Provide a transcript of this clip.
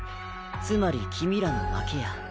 つまり君らの負けや。